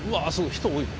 人多い。